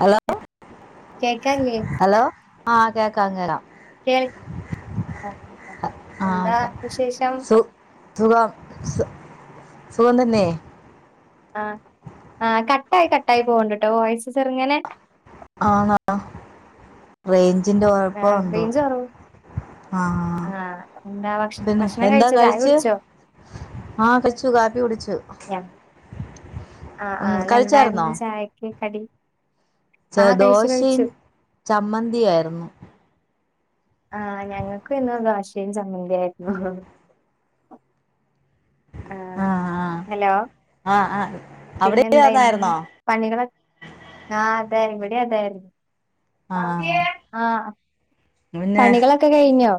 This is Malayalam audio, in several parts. ഹലോ കേക്കാൻലേ ഹലോ ആഹ് കേക്കാം കേക്കാം കേൾ ആ എന്താ ഓക്കെ വിശേഷം സു സുഖം സു സുഖംതന്നേ ആഹ് ആഹ് കട്ടായ് കട്ടായ് പോവ്ണ്ട്ട്ടോ വാേയ്സ് ചെർങ്ങെനെ ആണാ റെയ്ഞ്ചിന്റെ കൊഴപ്പാ എന്തോ റേഞ്ച് കുറവ് ആഹ് ആ എന്താ ഭക്ഷ പിന്നെ ഭക്ഷണം എന്താ കഴിച്ചോ ചായ കഴിച്ചേ കുടിച്ചോ ആഹ് കയ്ച്ചു കാപ്പി കുടിച്ചു ആഹ് ഉം, ആഹ് കഴിച്ചായിരുന്നോ ഇന്നെന്തായ്ര്ന്നു ചായക്ക് കടി ചെ ആ കഴിച്ചു ദോഷിം കഴിച്ചു ചമ്മന്ത്യായിര്ന്നു ആ ഞങ്ങക്കും ഇന്ന് ദോഷയും ചമ്മന്ത്യായിര്ന്നു ആ ഹലോ ആ ആ അവിടേം പിന്നെന്തായിരുന്നു അതായിര്ന്നോ പണികളൊ ആ അതെ ഇവടിം അതായിര്ന്നു ആ ആ പിന്നെ പണികളൊക്കെ കഴിഞ്ഞോ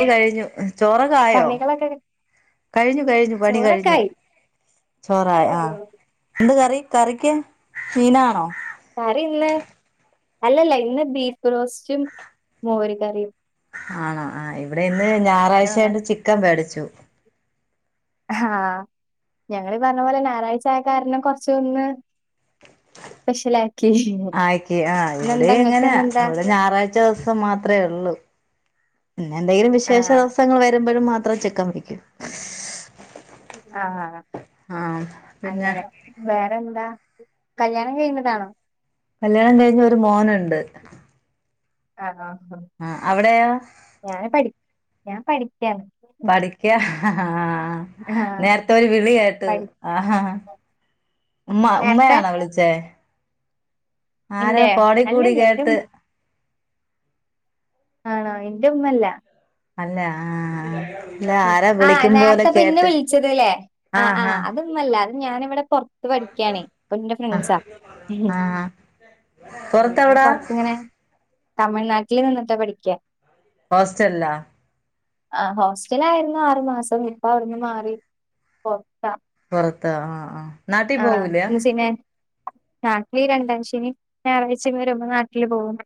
പണി കഴിഞ്ഞു ചോറൊക്കെ ആയോ പണികളൊക്കെ കഴിഞ്ഞു കഴിഞ്ഞു പണി കഴിഞ്ഞു ചോറൊക്കായി ചോറാ ആ എന്ത് കറി കറിക്ക് മീനാണോ കറി ഇന്ന് അല്ലല്ല ഇന്ന് ബീഫ് റോസ്റ്റും മോര് കറിം ആണോ ആ ഇവടെ ഇന്ന് ആഹ് ഞാറാഴ്ചായോണ്ട് ചിക്കൻ വേടിച്ചു ആ ഞങ്ങളീ പർഞ്ഞ പോലെ ഞാറാഴ്ച്ചായ കാരണം കൊർച്ചൊന്ന് സ്പെഷലായി ആയിക്കി ആ ഇവടേം ഇങ്ങനെ ഇന്നെന്താ ഇവടെ ഞായറാഴ്ച ദിവസം മാത്രെ ഉള്ളു പിന്നെന്തെങ്കിലും വിശേഷ ആഹ് ദിവസങ്ങൾ വരുമ്പഴും മാത്രം ചിക്കൻ വേടിക്കും ആഹ ആഹ ആഹ് പിന്നെ അങ്ങനെ വേറെന്താ കല്യാണം കയ്ഞതാണോ കല്യാണം കഴിഞ്ഞു ഒരു മോനുണ്ട് ആ ആ ആ ആ അവിടെയോ ഞാന് പടി ഞാ പഠിക്ക്യാണ് പഠിക്ക ആ ആഹ് നേര്ത്തെ ഒരു വിളി കേട്ടു പഠി ഉമ്മ നേരത്തെ ഉമ്മയാണോ വിളി ച്ചേ ആരോ ഇന്റെ ഫോണി കൂടി അല്ലല്ല ഇന്റെ ഉം കേട്ട് ആണോ ഇന്റെ മ്മല്ല അല്ല ആ ആ ആ നേര്ത്തെപ്പിന്നെ വിൾച്ചത് ലെ ആ ആ ആഹ് അത് മ്മല്ല അത് ഞാനിവടെ പൊർ ത്ത് പഠിക്കാണേ ഓള് ന്റെ ആഹ് ഫ്രണ്ട്സാ ആ ആഹ് ആ ഞാൻ പൊറത്തെവിടാ പൊർത്ത്ങ്ങനെ തമിഴ്നാട്ടില് നിന്ന്ട്ടാ പഠിക്ക ഹോസ്റ്റല്ലോ ആ ഹോസ്റ്റലായിരുന്നു ആറു മാസം ഇപ്പവ്ട്ന്ന് മാറി പൊർത്താ പൊറത്ത് ആ ആ നാട്ടി പോവൂല നാട്ട്ലീ രണ്ടാശെനിം ഞായറാഴ്ച വെരുമ്പോ നാട്ടില് പോവും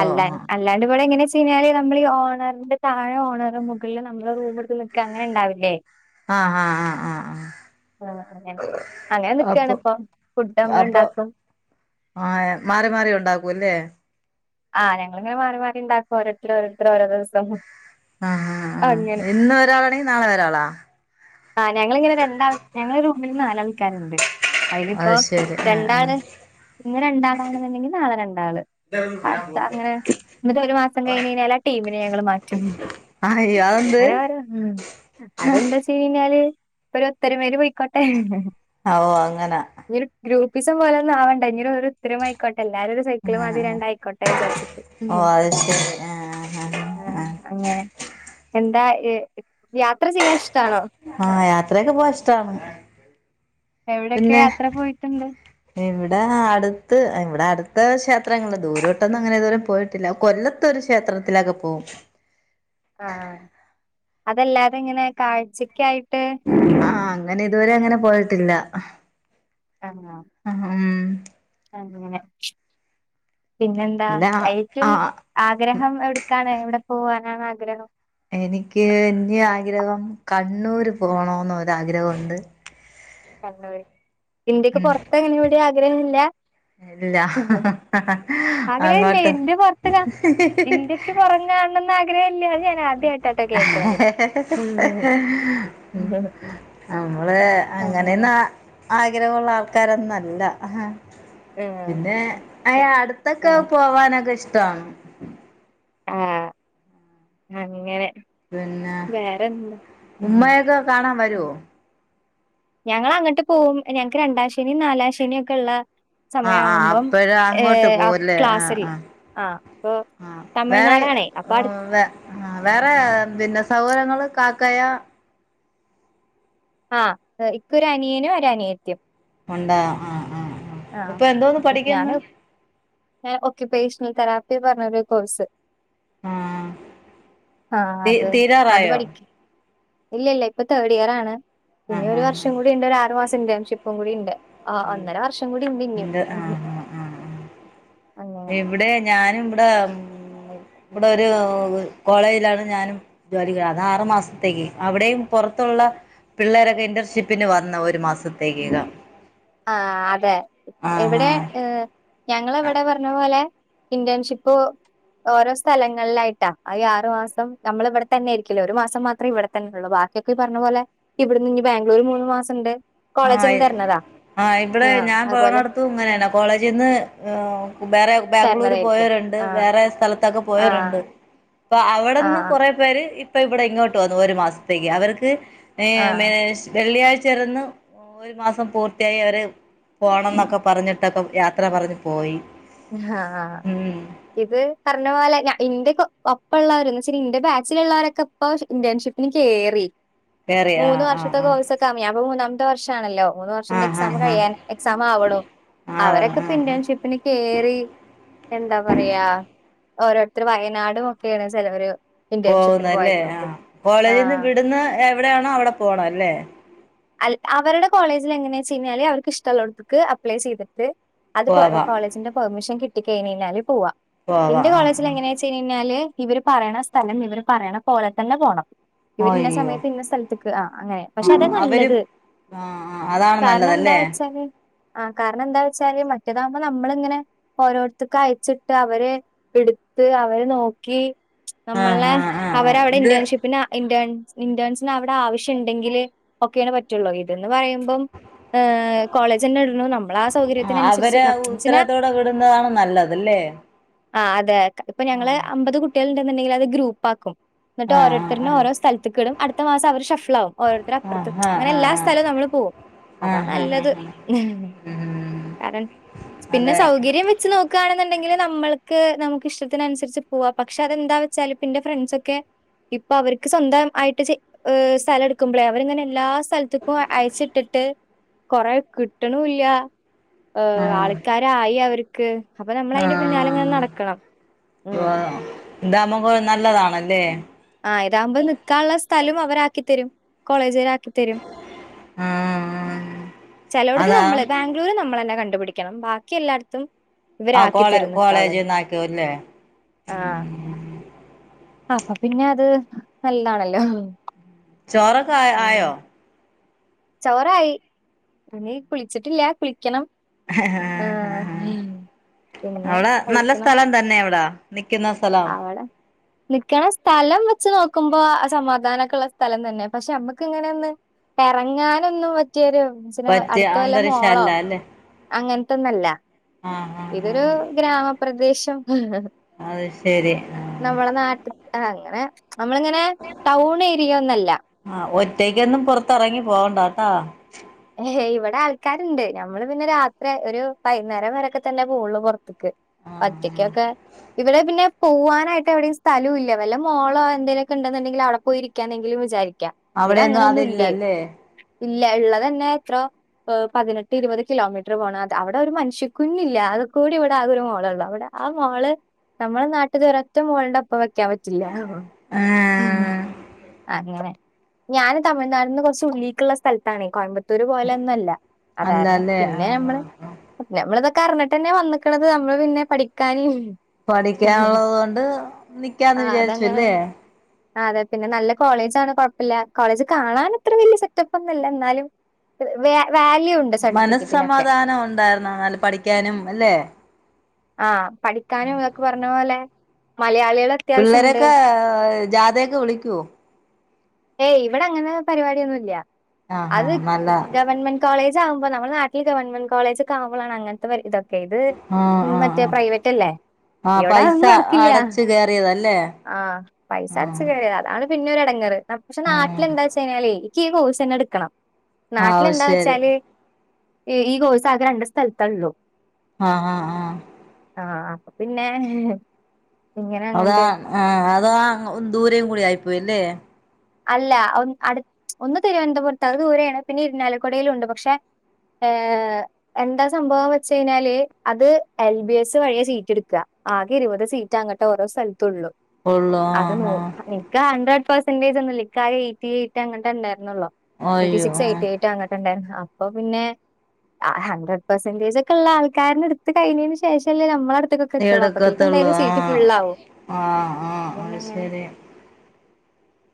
ഓ അല്ലാ അല്ല ആഹ് അല്ലാണ്ട് ഇവടെ എങ്ങനെച്ചയ്ഞാല് നമ്മളീ ഓണറിന്റെ താഴെ ഓണറും മുകളിൽ നമ്മള് റൂമ്ട്ത്ത് നിക്ക അങ്ങനെണ്ടാവില്ലേ ആഹ് ആഹ് ആഹ് ആഹ് ആഹ അങ്ങനെ നിക്കാണ് പ്പം ഫുഡ് നമ്മള്ണ്ടാക്കും ആ മാറി മാറി ഉണ്ടാക്കൂല്ലേ ആ ഞങ്ങള്ങ്ങനെ മാറി മാറി ണ്ടാക്കും ഓരോരുത്തരോരോ ര്ത്തരോരോ ദിവസം ആ ആ അങ്ങനെ ഇന്നൊരാളാണെങ്കി നാളെ ഒരാളൊ ആ ഞങ്ങളിങ്ങനെ രണ്ടാൾ ഞങ്ങളെ റൂമില് നാലാൾക്കാര്ണ്ട് അത് അയ്നിപ്പോ ശരി ആഹ് ആഹ് രണ്ടാണ് ഇന്ന് രണ്ടാളാണെന്നുണ്ടെങ്കി നാളെ രണ്ടാള് അട്ത്ത അങ്ങനെ ന്ന്ട്ടൊരു മാസം കയ്ഞ്ഞയ്ഞ്ഞാല് ആ ടീമിനെ ഞങ്ങള് മാറ്റും ആഹ് അയ്യോ അതെന്ത് അങ്ങനെ വരാ ഉം അതെന്താ ച ച്ചയ്ഞാല് ഒരു ഒത്തരമേല് പൊയ്ക്കോട്ടെ ആവൂ അങ്ങനെ ഇനിയൊരു ഗ്രൂപ്പിസം പോലൊന്നും ആവണ്ടാ ഇഞ്ഞ് ഒരു ഒത്തൊരുമ ആയിക്കോട്ടെ എല്ലാരും ഒരു സൈക്കിള് മതി രണ്ടായിക്കോട്ടെ വിചാരിച്ചിട്ട് ഓ ഉം അത് ശരി ആഹ് ആഹ് അങ്ങനെ എന്താ യെ യാത്ര ചെയ്യാൻ ഇഷ്ട്ടണോ? ആഹ് യാത്രയൊക്കെ പോവാ ഇഷ്ട്ടാണ് എവിടെക്കെ യാത്ര പോയിട്ടുണ്ട് ഇവിടെ അടുത്ത് ഇവിടെ അടുത്ത ക്ഷേത്രങ്ങൾ ദൂരോട്ടൊന്നും അങ്ങനെ ഇരുവരെ പോയിട്ടില്ലാ കൊല്ലത് ത്തൊരു ക്ഷേത്രത്തിലൊക്കെ പോവും ആഹ് അതല്ലാതെ ഇങ്ങനെ കാഴ്ചയ്ക്കായിട്ട് ആഹ് അങ്ങനെ ഇതുവരെ അങ്ങനെ പോയിട്ടില്ലാ ആഹ് ആഹ് ഉം അങ്ങനെ പിന്നെന്താ ഇല്ല ഏറ്റും ആഹ് ആഗ്രഹം എവിടുക്കാണ് എവിടെ പോവാനാണ് ആഗ്രഹം എനിക്ക് ഇന്നി ആഗ്രഹം കണ്ണൂര് പോണോന്ന് ഒരാഗ്രഹൊണ്ട് കണ്ണൂര് ഇന്ത്യക്ക് പൊറത്ത് അങ്ങനെ എവിടേം ആഗ്രഹല്ലാ? ഇല്ല ആഗ്രഹല്ല്യാ അങ്ങോട്ട് ഇൻ്റെ പൊറത്ത്താ ഇന്ത്യക്ക് പൊറം കാണണെന്ന് ആഗ്രഹല്ല്യാ അത് ഞാൻ ആദ്യായിട്ടാട്ടോ കേക്കണത് നമ്മള് അങ്ങനെ അങ്ങനെയൊന്നും ആഗ്രഹവൊള്ള ആൾക്കാരൊന്നു അല്ലാ ആഹ് പിന്നെ അയ്ന് അടുത്തൊക്കെ ആഹ് പോവാനൊക്കെ ഇഷ്ട്ടവാണ് ആഹ് അങ്ങനെ പിന്നെ വേറെന്താ ഉമ്മയൊക്കെ കാണാൻ വരോ ഞങ്ങള് അങ്ങട്ട് പോവും ഞങ്ങക്ക് രണ്ടാം ശനിം നാലാം ശനിയൊക്കെള്ള ആഹ് ആഹ് അപ്പഴ് അങ്ങോട്ട് ആ പോവല്ലേ ആഹ് ക്ലാസ്സില്ല ആഹ് ആഹ് അപ്പൊ ആഹ് വേറെ തമിഴ്നാടാണേ അപ്പൊ അടു ഉം വേ ആഹ് വേറെ പിന്നെ സഹോദരങ്ങള് കാക്കയാ ആഹ് ഇക്കൊരു അനിയനും ഒരു അനിയത്തിം ഒണ്ടോ ആഹ് ആഹ് ആഹ് ഇപ്പൊ എന്തോന്ന് പഠിക്കുന്ന് ഞാന് ഞാൻ ഒക്ക്യുപ്പേഷണൽ തെറാപ്പി പറഞ്ഞൊരു കോഴ്സ് ആഹ് ആഹ് തീ അത് അത് തീരാറായോ പഠിക്ക് ഇല്ല ഇല്ല ഇപ്പം തേർഡ് ഇയർ ആണ് ഇനി ആഹ് ഒരു ആഹ് വർഷം കൂടി ഇണ്ട് ഒരു ആറു മാസം ഇന്റേൺഷിപ്പും കൂടി ഇണ്ട് അത് ഇണ്ട് ആഹ് ആഹ് ആഹ് അങ്ങനെ എവിടെ ഞാനും ഇവടെ ഇവടെ ഒരു കോളേജിലാണ് ഞാനും ജോലിക്കാ അത് ആറു മാസത്തേക്ക് അവിടെയും പൊറത്തൊള്ള പിള്ളേരൊക്കെ ഇന്റർഷിപ്പിന് വന്നാ ഒരു മാസത്തേക്കകം ആഹ് അതെ ആഹ് എവിടെ ആഹ് ഏഹ് ഞങ്ങള് ഇവടെ പറഞ്ഞ പോലെ ഇന്റേൺഷിപ്പ് ഓരോ സ്ഥലങ്ങളിലായിട്ടാ അത് ആറുമാസം നമ്മൾ ഇവിടെ തന്നെ ആയിരിക്കില്ലേ ഒരു മാസം മാത്രം ഇവിടെ തന്നെ ഉള്ളു ബാക്കി ഒക്കെ ഈ പറഞ്ഞ പോലെ ഇവിടുന്ന് ഇഞ്ഞ് ബാംഗ്ലൂര് മൂന്ന് മാസണ്ട് കോളേജ്ന്ന് ആഹ് തരണതാ ആഹ് ഇവടെ ഞാൻ പോണോട്ത്തും ഇങ്ങനേണ് കോളേജിന്ന് ഏഹ് വേറെ ബാംഗ്ലൂര് തരണതായിരിക്കും പോയോരുണ്ട് ആഹ് വേറെ സ്ഥലത്തൊക്കെ ആഹ് പോയോരുണ്ട് അപ്പം അവടെന്ന് ആഹ് കൊറെ പേര് ഇപ്പ ഇവിടെ ഇങ്ങോട്ട് വന്നു ഒരു മാസത്തേയ്ക്ക് അവർക്ക് ഏഹ് ആഹ് മേ ശ് വെള്ളിയാഴ്ച്ചാരുന്നു ഒരു മാസം പൂർത്തിയായി അവര് പോണന്നൊക്കെ പറഞ്ഞിട്ടൊക്കെ യാത്ര പറഞ്ഞ് പോയി ആഹ് ആഹ് ഉം ഇത് പറഞ്ഞ പോലെ ഞാ ഇന്റെക്കെ ഒപ്പള്ളവര് ഇന്നെച്ചാ ഇന്റെ ബാച്ചില്ള്ളവരൊക്കെ ഇപ്പൊ ഇന്റേൺഷിപ്പിന് കയറി കേറി മൂന്ന് ആഹ് വർഷത്തെ ആഹ് കോഴ്സ് തമിയാവുമ്പോ മൂന്നാമത്തെ വർഷാണല്ലോ മൂന്ന് വർഷന്റെ ആഹ് ആഹ് എക്സാമ് കഴിയാൻ ആഹ് എക്സാമാവ്ണു ആഹ് അവരൊക്ക ആഹ് ആഹ് പിന്നെ ആഹ് ഷെഫിനി കേറി എന്താ പറയാ ഓരോരുത്തര് വയനാടു ഒക്കെയാണ് ചെലവര് ഇന്റേൺഷിപ്പിന് പോകുന്നല്ലേ ആ പോയേക്കണത് കോളേജിന്ന് ആഹ് വിടുന്ന എവിടെയാണോ അവിടെ പോണം അല്ലേ. അ അവടെ കോളേജിൽ എങ്ങനെയാ വെച് കഴിഞ്ഞല് അവക്ക് ഇഷ്ടഉള്ളടുത്തക്ക് അപ്ലൈ ചെയ്തി ത് അത് പോവാം കോളേജിന്റെ പെർമിഷൻ കിട്ടി കഴിഞ്ഞഴിഞ്ഞാല് പോവാ പോവാ ഇന്റെ ആ കോളേജിൽ എങ്ങനെയ തിരിഞ്ഞാല് ഇവര് പറയണ സ്ഥലം ഇവര് പറയണ പോലെ തന്നെ പോണം. ആ ഇവർ ഇന്ന അയ്യോ സമയത്ത് ഇന്ന സ്ഥലത്തക്ക് ആ അങ്ങനെ ആ പക്ഷെ അതാ അവര് നല്ലത്. ത് ആ ആ അതാണ് കാരണം എന്താ നല്ലതല്ലേ വെച്ചാല് ആഹ കാരണം എന്താ വെച്ചാല് മറ്റേതാകുമ്പോൾ നമ്മളിങ്ങനെ ഓരോരുത്തർക്ക്‌ അയച്ചിട്ട് അവരെ എടുത്ത് അവരെ നോക്കി. ആ നമ്മളെ ആ ആ ആ അവര അവിടെ ഇത് ഇന്റേൺഷിപ്പിനാ ഇന്റേൺ ഇന്റേൺസിന് അവിടെ ആവശ്യം ഉണ്ടെങ്കില് ഒക്കെയാണ്‌ പ ഇതന്ന് പറയുമ്പോ ഏ കോളേജ് തന്നെ ഇ [unintelligible] ആ അവര് ആ ഉത്തരവാതത്തോടെ വിടുന്നതാണ് നല്ലത്. ഇല്ലേ ആ അതെ ക ഇപ്പൊ ഞങ്ങള് അമ്പത് കുട്ടികള് ഉണ്ടെന്നുണ്ടെങ്കില് അത് ഗ്രൂപ്പാക്കും. എന്നിട്ട് ആ ആ ഓരോരുത്തരനെ ആ ഓരോ സ്ഥലത്തക്ക് ഇടും അടുത്ത മാസം അവര് ഷഫ്ലാവും. ഓരോരുത്തർ ആ അപ്പുറത്ത്ം ആ അങ്ങനെ എല്ലാ സ്ഥലവും നമ്മള് പോവും ആ ആ അതാ ആ ആ നല്ലത്. ഉം കാരണം പിന്നെ അതെ സൗകരൃ. കാര്യം വെച്ച് നോക്കുവാണുന്നുണ്ടെങ്കിൽ നമ്മൾക്ക് നമുക്ക് ഇഷ്ടത്തിനുസരിച്ച് പോവാം പക്ഷെ അതെന്താ വെച്ചാലും എന്റെ ഫ്രണ്ട്സ് ഒക്കെ ഇപ്പൊ അവർക്ക് സ്വന്തം ആയിട്ട് ചെ സ്ഥല എടുക്കുമ്പളെ അവര്ങ്ങനെ എല്ലാ സ് സ്ഥലത്തക്കു അയച്ചിട്ടിട്ട് കൊറെ കിട്ടണൂല. ഏ ആ ആൾക്കാരായി അവരക്ക് അപ്പ ആ നമ്മളതിന്റെ പിന്നാലെ ഇങ്ങനെ നടക്കണം ഉം ഇതാവുമ്പോ കുറെ നല്ലതാണല്ലേ ആഹ് ഇതാവുമ്പോൾ നിക്കാനുള്ള സ്ഥലം അവരാക്കി തരും കോളേജിലാകും. തരും ആ ചെലോടുത്ത് അതാ നമ്മള് ബാങ്ക് ദൂരം നമ്മള്ന്നെ കണ്ടുപിടിക്കണം ബാക്കി എല്ലായിടത്തും ആ ഇവരാക്കി കോളേ തരും നിക്കായുള്ളത്. കോളേജിന്നാക്കിയല്ലേ ആഹ് ആഹ് അപ്പൊ പിന്നെ അത് നല്ലാണല്ലോ. ചോറൊക്കെ ആയോ ചോറായി ഇനി കുളിച്ചിട്ടില്ല കുളിക്കണം. ആ ആ ആഹ് പിന്നെ അവിടെ നല്ല കഴിക്കണം സ്ഥലം തന്നെ അവിട നിക്കുന്ന സ്ഥലം അവടെ നിക്കണം സ്ഥലം വെച്ച് നോക്കുമ്പോ സമാധാനംഒക്കെ ഉള്ള സ്ഥലം തന്നെ പക്ഷെ നമ്മക്ക് ഇങ്ങനെയൊന്ന്. ഇറങ്ങാനൊന്നു പറ്റിയരു അച്ഛന് പറ്റിയ അടുത്ത വല്ല അന്തരീക്ഷം മോളോ അല്ല അല്ലേ അങ്ങനത്തൊന്നല്ല ആഹ് ആഹ് ഇതൊരു ആഹ് ഗ്രാമപ്രദേശം. ഹ് അത് ശരി ആഹ് നമ്മളെ നാട്ടിക്ക്‌ അങ്ങനെ നമ്മളിങ്ങനെ ടൗണ് ഏരിയ ഒന്നുല്ല ആഹ ഒറ്റയ്ക്കൊന്നും പൊറത്തിറങ്ങി പോകണ്ടാട്ടോ ഹേ ഇവിടെ ആൾക്കാരുണ്ട് നമ്മള് പിന്നെ രാത്രി ഒരു വൈകുന്നേരം വരൊക്കെ തന്നെ മോളില് പുറ ക്കെ ആഹ് ആഹ് ഒറ്റക്കൊക്കെ ഇവിടെ പിന്നെ പൂവാനായിട്ട് എവിടെയും സ്ഥലവുല്ല വല്ല മോളോ എന്തേലുക്കെ ഉണ്ടെന്നുണ്ടെങ്കിൽ അവിടെ പോയിരിക്കാന്നന്തെങ്കിലും വിചാരിക്കാം. അവിടെയൊന്നും ഇത്ങ്ങനെ ഒന്നുല്ലേ അതില്ലല്ലേ ഇല്ല ഉള്ളതന്നെ എത്രോ എ പതിനെട്ട് ഇരുപത് കിലോമീറ്റർ പോണം അത് അവിടെ ഒരു മനുഷ്യകുഞ്ഞില്ല ആകെ കൂടി ഇവിടെ ആക ഒരു മോള ഉള്ളു അവിടെ ആ മോള് നമ്മളെ നാട്ടില് ഒരൊറ്റ മോള്ട ഇപ്പ വെക്കാൻ പറ്റില്ല ആഹ് അങ്ങനെ ഞാന് തമിഴ്നാട്ടിന്ന് കുറച്ച് ഉള്ളിക്കുള്ള സ്ഥലത്താണെ കോയമ്പ തൊരു പോലെയൊന്നുല്ല അതാരണം അല്ലല്ലേ പിന്നെ ആഹ് നമ്മള് ആഹ് ആഹ് നമ്മള ഇതൊക്കെ അറിഞ്ഞിട്ട് തന്നെ വന്നേക്കണത് നമ്മള് പിന്നെ പഠിക്കാനും പഠിക്കാനുള്ളത് കൊണ്ട് നിക്കാന്ന് വിചാരിച്ചുല്ലേ ആഹ് അതെ പിന്നെ നല്ല കോളേജ് ആണ് കുഴപ്പില്ല കോളേജ് കാണാൻ അത്ര വലിയ സെറ്റപ്പ് ഒന്നുല്ല എന്നാലും വ വാല്യൂ ഉണ്ട് സർട്ടിഫിക്കറ്റിനൊക്കെ മനസ്സമാധാനം ഉണ്ടായിന്നോ എന്നല്ല പഠിക്കാനും അല്ലെ ആഹ് പഠിക്കാനും ഇതൊക്കെ പറഞ്ഞ പോലെ മലയാളിയളെ പിള്ളേരൊക്കെ ജാഥയൊക്കെ വിളിക്കുവോ ഏയ് ഇവിടെ അങ്ങനെ പരിപാടിയൊന്നുംല്ല ആഹ് അത് ആഹ് നല്ല ഗവൺമെന്റ് കോളജ ആകുമ്പോ നമ്മ നാട്ടിൽ ഗവൺമെൻ കോളജക്കെ ആകുമ്പോ ആാണ് അങ്ങത്തെ ഒരു ഇതക്കെ ഇത് ആഹ് ഉം ആഹ് മറ്റേ ആഹ് പ്രൈവറ്റ് അല്ലേ ഇവിടൊന്നും അതൊന്നും നടക്കില്ല കയറിയതല്ലേ ആഹ് പൈസ അടച്ച് കയിയ അതാണ് പിന്നെ ഒരു എടങ്ങറ് പക്ഷെ ആഹ് നാട്ടിലെന്താ വെച്ച കഴിഞ്ഞാല് എനിക്ക് ഈ കോഴ്സ്ന്നെ എടുക്കണം ആഹ് അത് നാട്ടിലെന്താ ശരി വെച്ചാല് ഈ കോഴ്സ് ആകെ രണ്ട് സ്ഥലത്തള്ളൂ ആഹ് ആഹ് ആഹ് ആഹ് അപ്പോ പിന്നെ ഇങ്ങനെ അതാ അങ്ങണ്ട് ആഹ് അതാ ദൂരേയും കൂടി ആയിപ്പോയില്ലേ അല്ല അടു ഒന്ന് തിരുവനന്തപുരത്ത് അ ദൂരെയാണ് പിന്നെ ഇരുന്നാലക്കുടയിലുണ്ട് പക്ഷെ ഏഹ് എന്താ സംഭവന്ന് വെച്ച കഴിഞ്ഞാല് അത് എൽ ബി എസ് വഴിയ സീറ്റ് എടുക്ക ആകെ ഇരുപത് സീറ്റ് അങ്ങട്ടെ ഓരോ സ്ഥലത്ത ഉള്ളു ഉള്ളൂ അത് ന ആഹ് ആഹ് നിക്ക ഹൺഡ്രഡ് പെർസന്റേജ് ഒന്നും ഇല്ല എയ്റ്റി എറ്റ് അങ്ങട്ട ഉണ്ടായിരുന്നുള്ളോ എയ്റ്റി അയ്യോ സിക്സ് ആഹ് എയ്റ്റി എയ്റ്റ് അങ്ങോട്ടുണ്ടായി അപ്പൊ പിന്നെ ആഹ് ഹൺഡ്രഡ് പെർസെന്റെജ ഒക്കെ ഉള്ള ആൾക്കാൻ എടുത്ത് കഴിഞ്ഞതി ശേഷമല്ലേ നമ്മള അടുത്തൊക്കെ എടക്കത്തള്ളൂ ആഹ് ആഹ് അപ്പൊ ആഹ് പിന്നെ അത് അങ്ങനെ ശരി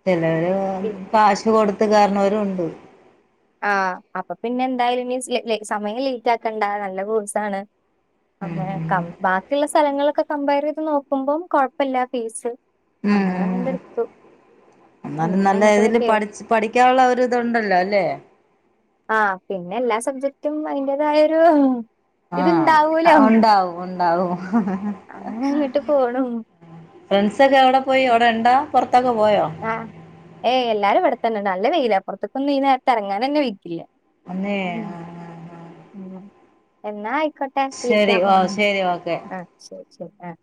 ചിലവര് പി കാശ് കൊടുത്ത് കേറുന്നവരും ഉണ്ട് ആഹ് അപ്പൊ പിന്നെ എന്തായാലും ഇ സമയം ലേറ്റ് ആക്കണ്ട നല്ല കോഴ്സണ് ഉം അങ്ങനെ ബാക്കിയുള്ള സ്ഥലങ്ങളൊക്കെ കമ്പയർ ചെയ്ത് നോക്കുമ്പോം കൊഴപ്പല്ല ഫീസ് ഉം അങ്ങനെ അങ്ങ ഉം എടുത്തു എന്നാലും അങ്ങന നല്ല അങ്ങട്ട് ഇതില് പക്ക പഠിച്ച് പഠിക്കാനുള്ള ഒരിത് ഉണ്ടല്ലോല്ലേ ആഹ് പിന്നെ എല്ലാ സബ്ജക്ടും അതിന്റെതായൊരു ഇത്ണ്ടാവൂലോ ആഹ് ഉണ്ടാവും ഉണ്ടാവും അങ്ങനെ അങ്ങട്ട് പോണു ഫ്രണ്ട്സ ഒക്കെ എവിടെ പോയി എവിടെ ഉണ്ടാ പുറത്തൊക്കെ പോയോ ഏഹ് എല്ലാരുംവിടെത്തന്നെ നല്ല വെയില പുറത്ത് ഒന്നും ഈ നേരത്ത് ഇറങ്ങാൻ തന്നെ വെയ്ക്കില്ല അന്നേ ന്നായിക്കോട്ടെ ശരി വിളിക്കാം ഓ ശരി ഓക്കെ ആഹ് ശരി ശരി ആഹ്